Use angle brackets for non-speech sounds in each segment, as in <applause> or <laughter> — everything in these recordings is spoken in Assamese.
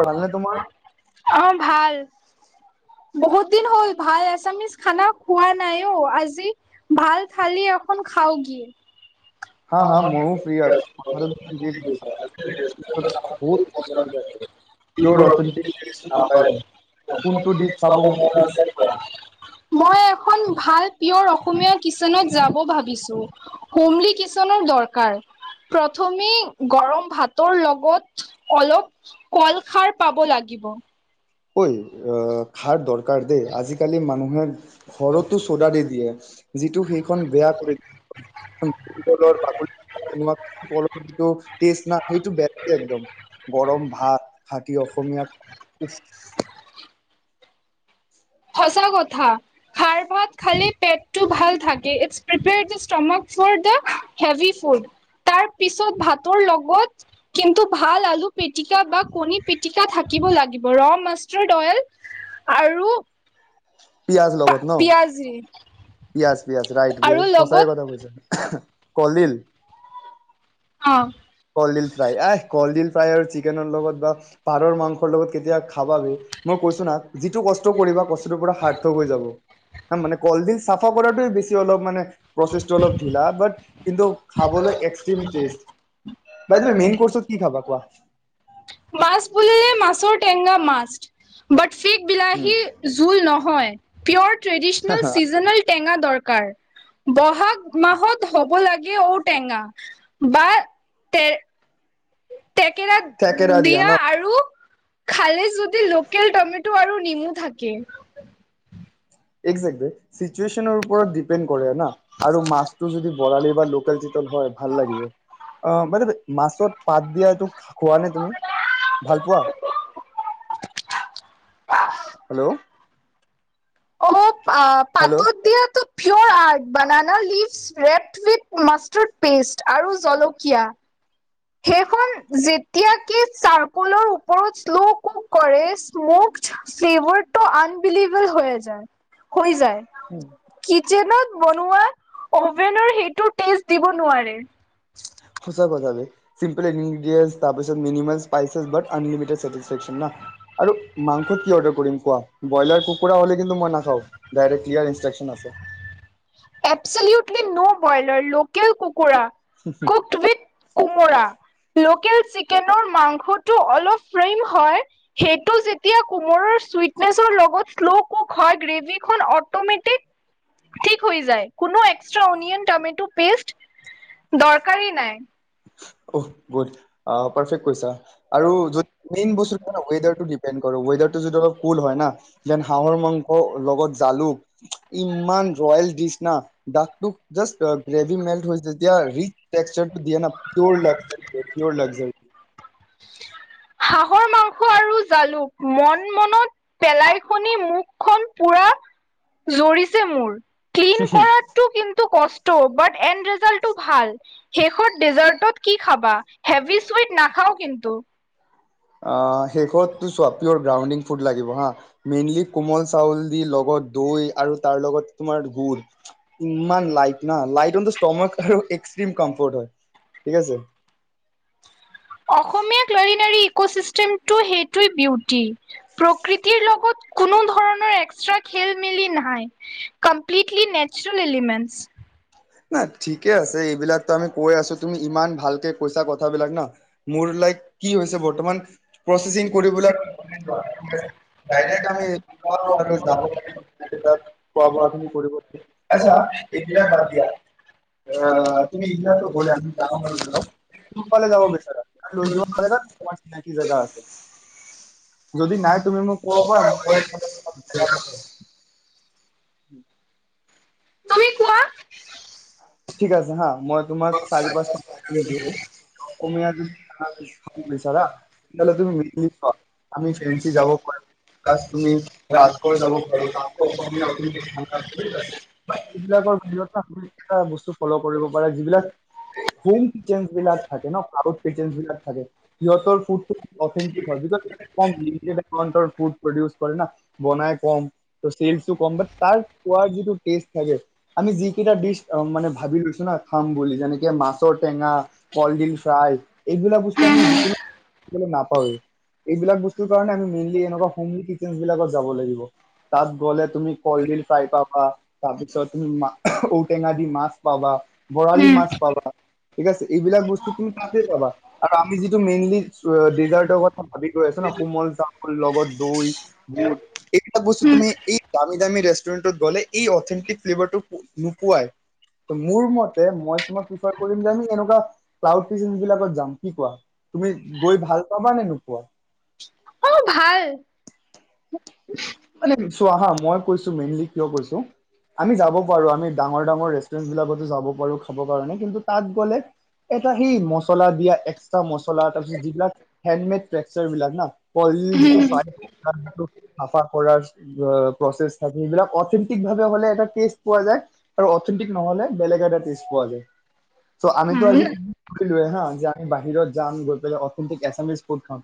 ভালনে তোমাৰ? অ', ভাল। বহুত দিন হ'ল ভাই এছামিচ্ খানা খোৱা নাই অ', আজি ভাল থালি এখন খাওগি হা হা ময়ো ফ্ৰী আছো বহুত পিয়ৰ অথেন্তিক নাপায় কোনটো ডিচ খাব মন আছে <unintelligible> মই এখন ভাল পিঅ'ৰ অসমীয়া কিচেনত যাব ভাবিছো, হ'মলি কিছ নৰ দৰকাৰ। প্ৰথমে গৰম ভাত। তৰ লগত, অলপ কল খাৰ পাব লাগিব। ঐ অ'-খাৰ দৰ দৰকাৰ দেই, আজিকালি মানুহে ঘৰতো চ'ডা দি দিয়ে। <inaudible> যিটো সেইখন বেয়া <unintelligible> টেষ্ট নাই সেইটো বেয়া লাগে একদম, গৰম ভাত, খাটি অসমীয়া সঁচা কথা, খাৰ ভাত খালে পেটটো ভাল থাকে, it's prepare to stomach for the heavy food, তাৰ পিছত ভাতৰ লগত কিন্তু ভাল আলু পিটিকা বা কণী পিটিকা থাকিব লাগিব, ৰ মাষ্টাৰ্ড অইল আৰু পিয়াজ লগত ন? পিয়াজি পিয়াজ পিয়াজ, ৰাইট বে আৰু লগত সঁচাই কথা কৈছা। কলডিল? অ'। কলডিল ফ্ৰাই, আই কলডিল ফ্ৰাই আৰু চিকেনৰ লগত বা পাৰৰ মাংসৰ লগত কেতিয়াবা খা খাবা বে, মই কৈছো না, যিটো কষ্ট কৰিবা কষ্টটোৰ পৰা সাৰ্থক হৈ যাব। মানে কলডিল চাফা কৰাটোৱেই বেছি অলপ মানে প্ৰচেছটো অলপ ঢিলা, বাট কিন্তু খাবলৈ extreme taste. By the way, main কৰ্চত কি খাবা কোৱা। মাছ বুলিলেই মাছৰ টেংঙা মাষ্ট, বাট ফিক উম বিলাহী, জোল নহয়। পিয়'ৰ ট্ৰেডিচনেল চিজনেল টেঙা দৰকাৰ। বহাগ মাহত হ'ব লাগ ঔটেঙা, বা, তেৰ তেকেৰা, থেকেৰা দিয়া ন আৰু খালে যদি লোকেল টমেট' আৰু নিমু থাকে। একজেকলি। চিটুৱেচনৰ ওপৰত ডিপেণ্ড কৰে না আৰু মাছটো যদি বৰালি বা লোকেল চিতল হয় ভাল লাগিব। অ' মানে মাছত পাত দিয়াটো খোৱানে তুমি, ভাল পোৱা? <unintelligible> হেল্ল'। কওক? অ হেল্ল' পাতত দিয়াটো পিয়'ৰ art banana leaves wrapped leaves mustard paste আৰু জলকীয়া। সেইখন যেতিয়া কি চাৰকোলৰ ওপৰত শ্ল' কুক কৰে স্মোক ফ্লেভাৰটো আনবিলিভল হৈ যায়। হৈ যায়। কিত জেনত বনোৱা অভেনৰ সেইটো টেষ্ট দিব নোৱাৰে। সচাঁ কথা বে। চিম্পিল ইনগ্ৰেছ তাৰ পিছ minimum spices but unlimited satisfaction ন আৰু মাংসত কি অৰ্ডাৰ কৰিম কোৱা? ব্ৰইলাৰ কুকুৰা হ'লে কিন্তু মই নাখাওঁ। ডাইৰেকট ক্লিয়াৰ ইনষ্ট্ৰাকশন আছে। এবচেউটলি ন' বইলাৰ লোকেল ক কোমোৰা কুক উইথ কোমোৰা লোকেল চিকেনৰ মাংস সেইটো অলপ পেন হয়, সেইটো যেতিয়া কোমোৰা চুইট নেচৰ লগত ক্লো কুক হয় গ্ৰেভিখন অমেটিক হয় যায় কোনো অনিয়ন তমেটো পেষ্ট চৰকাৰে নাই। অ, গুড পাৰফেক্ট কৈছা আৰু যদি মেইন বস্তু ৱেডাৰটো ডিপেন্ড কৰে। ৱেডাৰ টো যদি অলপ কুল হয় না যেন হাঁহৰ মাংস লগত জালুক ইমান ৰয়েল ডিচ না দ জাষ্ট গ্ৰেভি মেল্ট হৈ এতিয়া ৰিচ তেসৰটো দিয়ে না পিয়োৰ লাক্সযাৰি হাঁহৰ মাংস আৰু জালুক মন মনত পেলাই শুনি মুখখন পুৰা জৰিছে মোৰ ক্লিন কৰাটো কিন্তু কষ্ট শেষতজ কি খাবা হেভি চু নাখাও কিন্তু। অ, শেষতো চোৱা পিয়ৰ গ্ৰাউণ্ডিং ফুড লাগিব হা। মেইনলি কোমল চাউল দি লগত দৈ আৰু তাৰ লগত তোমাৰ গুৰ। ইমান লাইট ন লাইট অন দা স্তমাক আৰু এক ক্ৰিম কম্ফৰ্ট হয় ঠিক আছে। অসমীয়া ক্লনিনাৰী ইক'চিষ্টেম টো সেইটো বিউ টি প্ৰকৃতিৰ লগত কোনো ধৰণৰ এক্সট্ৰা খেল মেলি নাই কমপ্লিটলি নেচাৰেল এলিমেণ্টছ। না ঠিকে আছে এইবিলাকতো আমি কৈ আছো তুমি ইমান ভালকে পইচা কথাবিলাক না মোৰ লাইক কি হৈছে বৰ্তমান প্ৰচেচিং কৰিবলৈ <unintelligible> ডাইৰেক্ট আমি <unintelligible> খোৱা বোৱা তুমি কৰি আচ্ছা এতিয়া আহ তুমি গ'লা, ফালে যাব <unintelligible> কি জেগা আছে যদি নাই তুমি মোক ক'ব পাৰা <unintelligible> <inaudible> তুমি কোৱা। ঠিক আছে হা মই তোমাক চাৰি পাঁচ <unintelligible> দিন দিয়ো অসমিয়া খানা <unintelligible> <unintelligible> তুমি <unintelligible> অ', ব ফ'ল' কৰিব পাৰা যিবিলাক হ'ম চেঞ্জবিলাক থাকে ন আগৰ কিছেনবিলকত থাকে সিহঁতৰ ফুডটো অথেন্তিক হয় যেতিয়া লিমিটেড এমাউনটৰ ফুড প্ৰডিউচ কৰে না, বনাই কম ত' সেলেছ উ কম তাৰ খোৱাৰ যিটো টেষ্ট থাকিম যিকিটা দিস মানে ভাবি লৈছো না খাম বুলি যেনেকে মাছৰ টেঙা কলডিল ফ্ৰাই। এইবিলাক বস্তু আমি যিকোনো নাপ হয় এইবিলাক বস্তুৰ কাৰণে আমি মেইনলি এনেকোৱা হোমলি কিছেনবিলাকত যাব লাগিব, তাত গ'লে তুমি কলডিল ফ্ৰাই পাবা তাৰ পিছত তুমি মা ঔটেঙা দি মাছ পাবা। পাবা। বৰালি উম, মাছ পাবা। ঠিক আছে, এইবিলাক বস্তু তুমি তাকে যাবা আৰু আমি যিটো মেইনলি ডিজাৰ্টৰ কথা ভাবি গৈ আছো ন কোমল চাউল লগত দৈ বুট এইবিলাক বস্তু উম, তুমি এই দামী দামী ৰেষ্টুৰেণ্টত গলে এই অথেন্টিক ফ্লেভাৰটো নোপোৱাই। ত' মোৰ মতে মই তোমাক পিছত কৰিম যে এনেকোৱা ক্লাউড কিচেনবিলাকত যাম, কি কোৱা তুমি গৈ ভাল পাবা নে নোপোৱা? অ', ভাল। মানে চোৱা হা মই কৈছো মেইনলি কিয় কৈছো আমি যাব পাৰো আমি ডাঙৰ ডাঙৰ ৰেষ্টুৰেন্ট বিলাকতো যাব পাৰো খাবৰ কাৰণে কিন্তু তাত গ'লে এটা সেই মছলা দিয়া এক্সট্ৰা মচলা তাৰ পিছত যিবিলাক হেডমেড টেকছাৰবিলাক না বইল যিটো ফ্ৰাই কৰাৰ প্ৰচেচ থাকে সিবিলাক অথেণ্টিক ভাৱে হলে এ টেষ্ট পোৱা যায় আৰু অথেণ্টিক নহলে বেলেগ এটা টেষ্ট পোৱা যায়' আমিতো আজি হা যে আমি বাহিৰত যাম গৈ পেলাই অথেটিক এচামিছ এামি ফুড খাম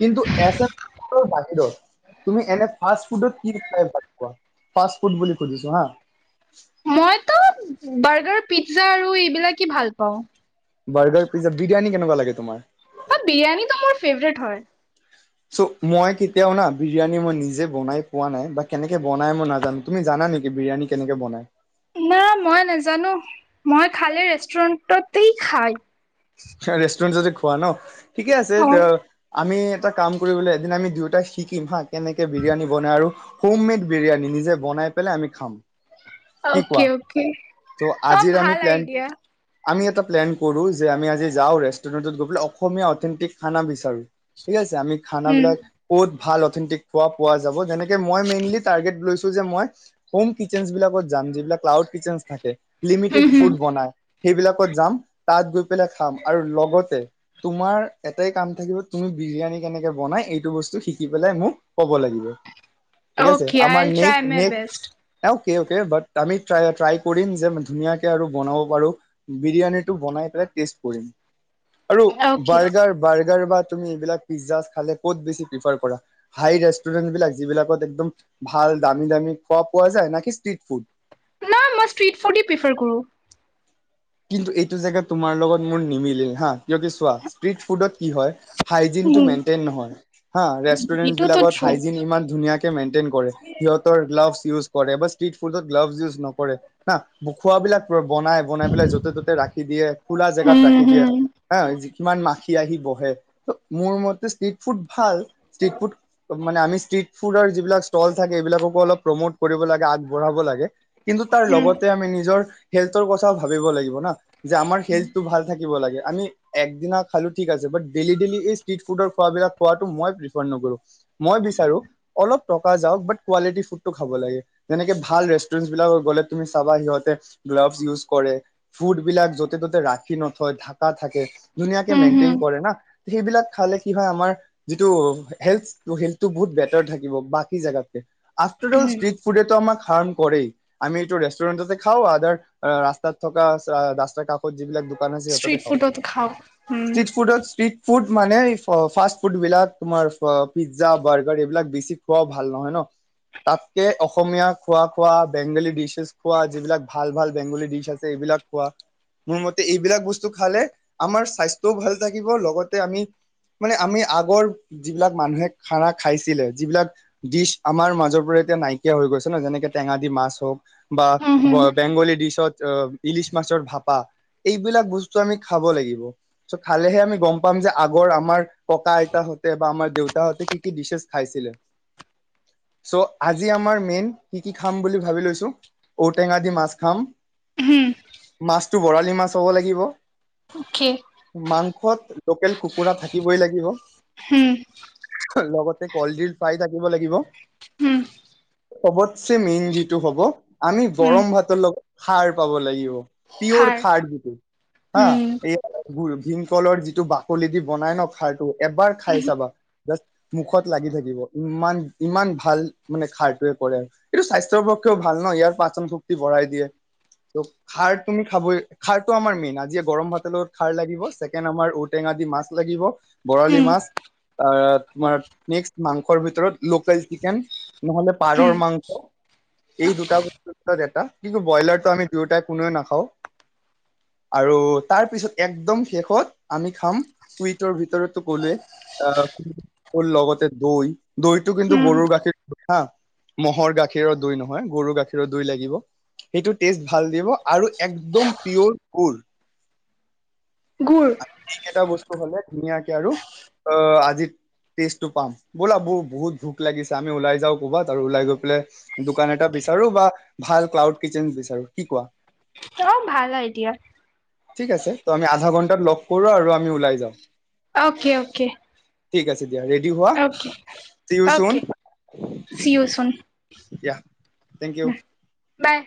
কিন্তু এছা বাহিৰত তুমি এনে ফাষ্ট ফুডত কি খাই ভাল পোৱ? ফাষ্ট ফুড বুলি সুধিছোঁ হা মইতো বাৰ্গাৰ পিজ্জা আৰু এইবিলাকেই ভাল পাওঁ। বাৰ্গাৰ পিজ্জা বিৰিয়ানী কেনেকুৱা লাগে তোমাৰ? অ', বিৰিয়ানীটো মোৰ ফেভৰেট হয়। মই কেতিয়াও না বিৰিয়ানী মই নিজে বনাই পোৱা নাই কেনেকে বনাই মই নাজানো তুমি জানা নেকী বিৰিয়ানি কেনেকে বনাই? না মই নাজানো মই খালী ৰেষ্টুৰেণ্টতেই খাই <unintelligible> চন যদি খোৱা ন ঠিকে আছে অ। ত আমি এটা কাম কৰিবলৈ এদিন আমি দিউ তা শিকিম হা কেনেকে বিৰিয়ানী বনায়, আৰু হোম মেড বিৰিয়ানী নিজে বনায় পেলাই আমি খাম। কি কোৱা? Okay, okay. ত' অ আজিৰ আমি ভাল প্লেন আইডিয়া। আমি এটা প্লেন কৰোঁ যে, আমি আজ আজি যাওঁ, ৰেষ্টুৰেণ্টত গৈ পেলাই, অসমীয়া অথেণ্টিক খানা বিচাৰোঁ ঠিক আছে, আমি উম খানাবিলাক ক'ত ভাল অথেণ্টিক খোৱা পোৱা যাব তেনেকে, মই মেইনলি টাৰ্গেট লৈছোঁ যে, মই হোম কিচেনছ বিলাগত যাম। যিবিলাক ক্লাউড কিচেনছ থাকে লিমিটেড হুম হুম। ফুড বনায়। সেইবিলাকত যাম। তাত গৈ পেলাই খাম। আৰু লগতে তোমাৰ এটাই কাম থাকিব, তুমি বিৰিয়ানী কেনেকে বনায়, এইটো বস্তু শিকি পেলাই মোক ক'ব লাগিব। ঠিক আছে অ'কে, আমাৰ I'll try next my next best. Okay, okay. But, আমি ট্ৰাই, ট্ৰাই কৰিম যে, ধুনীয়াকে আৰু বনাব পাৰোঁ। বিৰিয়ানীটো বনাই পেলাই টেষ্ট কৰিম আৰু অকে বাৰ্গাৰ, বাৰ্গ এ, ৰ'বা। তুমি এইবিলাক পিজ্জা খালে, ক'ত বেছি প্ৰিফাৰ কৰা? হাই ৰেষ্টুৰেণ্টবিলাক, যিবিলাকত একদম ভাল, দামী, দামী <unintelligible> পোৱা যায়, না কি, ষ্ট্ৰীট ফুড? না, মই ষ্ট্ৰীট ফুডেই প্ৰিফাৰ কৰোঁ। কিন্তু, এইটো জেগা, তোমাৰ লগত মোৰ নিমিলিল হা কিয়, কি চোৱা, ষ্ট্ৰীট ফুডত কি হয়, হাইজিনটো উম মেইনটেইন নহয়, হা। এইটোতো ৰেষ্টুৰেণ্টবিলাকত, ট্ৰু হাইজিন ইমান ধুনীয়া তে মেইন টেইন কৰে, সিহঁতৰ গ্লাভছ ইউজ কৰে, বাচ ষ্ট্ৰীট ফুডত, গ্লাভছ ইউজ নকৰে না, খোৱাবিলাক বনায়, বন পেলাই, য'তে ত'তে ৰাখি দিয়ে, খোলা জেগাত ৰাখি উম দিয়ে, হুম হা। কিমান মাখি খি আহি বহে, ত', মোৰ মতে, ষ্ট্ৰীট ফুড ভাল। ষ্ট্ৰীট ফুড মানে, আমি ষ্ট্ৰীট ফুডৰ যিবিলাক ষ্টল থাকে, সেইবিলাককো অলপ প্ৰমোট কৰিব লাগে, আগবঢ়াব লাগে কিন্তু, তাৰ হুম লগতে, আমি নিজৰ হেল্থৰ কথা ভা ভাৱিব লাগিব না। যে, আমাৰ হেল্থটো ভাল থাক কিব লাগে, আমি একদিনা খালো ঠিক আছে। বাত ডেইলী ডেইলী এই ষ্ট্ৰিট ফুডৰ খোৱাবিলাক খোৱাটো মই প্ৰিফাৰ নকৰোঁ। মই বিচাৰো অলপ টকা যাওক, বাত কোৱালিটি ফুডটো খাব লাগে। যেনেকে ভাল ৰেষ্টুৰেন্টচ বিলাকত গলে তুমি চাবা সিহঁতে গ্লভজ ইউজ কৰে, ফুড বিলাক য'তে ত'তে ৰাখি নথয়, ঢাকা থাকে ধুনীয়াকে হুম হুম। মেইনটেইন কৰে না। সেইবিলাক খালে কি হয় আমাৰ যিটো হেল্থ, হেল্থটো বহুত বেটাৰ থাকিব বাকী জাগাতকে। আফটাৰ অল, ষ্ট্ৰিট ফুডেতো আমাক হাৰ্ম কৰেই, আমি এইটো ৰেষ্টুৰেণ্টতে খাওঁ আদাৰ ৰাচ তাত থকা ৰাস্তাৰ কাষত যিবিলাক দোকান ষ্ট্ৰীট <unintelligible> ফুডত খাওঁ উম ষ্ট্ৰীট ফুডত ষ্ট্ৰীট ফুড মানে এই ফাষ্ট ফুড বিলাক, তোমাৰ চোৱা পিজ্জা, বাৰ্গাৰ এইবিলাক বেছি খোৱাও ভাল নহয় ন, তাতকে অসমীয়া খোৱা খোৱা, বেংগলী ডিছেছ খোৱা, যিবিলাক ভাল ভাল বেংগলী ডিছ আছে এইবিলাক খোৱা, মোৰ মতে এইবিলাক বস্তু খালে আমাৰ স্বাস্থ্যও ভাল থাকিব, লগতে আমি মানে আমি আগৰ যিবিলাক মানুহে খানা খাইছিলে, যিবিলাক ডিচ আমাৰ মাজৰ পৰা এতিয়া নাইকিয়া হৈ গৈছে ন, যেনেকে টেঙা দি মাছ হওক, হুম বা হুম বেংগলী ডিচত অ ইলিছ মাছৰ ভাপা, এইবিলাক বস্তু আমি খাব লাগিব। চ' খালেহে আমি গম পাম যে আগৰ আমাৰ ককা আইতাহতে বা আমাৰ দেউতাহঁতে কি কি ডিছেছ খাইছিলে। চ' আজি আমাৰ মেইন কি কি খাম বুলি ভাবি লৈছো, ঔটেঙা দি মাছ খাম হুম মাছটো বৰালি মাছ হ'ব লাগিব অকে মাং সত লোকেল কুকুৰা থাকিবই লাগিব, হুম লগতে কলডিল ফ্ৰাই থাকিব লাগিব, হুম চবতচে মেইন যিটো হব, আমি হুম গৰম ভাতৰ লগত খাৰ খাব লাগিব। পিঅ'ৰ খাৰ যিটো। আ, উম। এই ভীমকলৰ যিটো বাকলি দি বনাই ন খাৰটো, এবাৰ খাই চাবা, জাষ্ট মুখত লাগি থাকিব, ইমান ইমান ভাল মানে খাৰটোৱে কৰে। এইটো স্বাস্থ্যৰ পক্ষেও ভাল ন, ইয়াৰ পাচন শক্তি বঢ়াই দিয়ে ত খাৰ তুমি খাবই, খাৰটো আমাৰ মেইন। আজি গৰম ভাতৰ লগত খাৰ লাগিব, ছেকেণ্ড আমাৰ ঔটেঙা দি মাছ লাগিব, বৰালি উম মাছ, আ তোমাৰ নেক্স মাংসৰ ভিতৰত লোকেল চিকেন, নহ'লে পাৰৰ হুম মাংস এই দুটা বস্তুৰ ভিতৰত এটা, কিন্তু ব্ৰইলাৰটো আমি য়োটা কোনেও নাখাওঁ, আৰু তাৰপিছত একদম শেষত আমি খাম চুইটৰ ভিতৰত টো কলোৱে, লগতে দৈ দৈটো কিন্ত হুম গৰুৰ গাখীৰৰ হা ম'হৰ গাখীৰৰ দৈ নহয় গৰুৰ গাখীৰৰ দৈ লাগিব সেইটো টেষ্ট। ভাল দিব আৰু একদম পিঅ'ৰ গ'ল্ড। গুৰ এইকেইটা বস্তু হ'লে ধুনীয়াকে আৰু আ-আজি টেষ্টটো পাম। ব'লা বহু-বহুত ভোক লাগিছে, আমি ওলাই যাওঁ কৰবাত আৰু ওলাই গৈ পেলাই দোকান এটা বিচাৰো বা ভাল ক্লাউড কিটচেন বিচাৰো। কি কোৱা? ভাল আইডিয়া। ঠিক আছে। ত' আমি আধা ঘন্টাত লগ কৰো আৰু আমি ওলাই যাম। Okay, okay. ঠিক আছে। দিয়া ৰেডি হোৱা okay, see you soon okay. See you soon. দিয়া। Thank you. বাই।